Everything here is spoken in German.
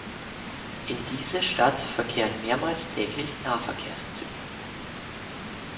In diese Stadt verkehren mehrmals täglich Nahverkehrszüge.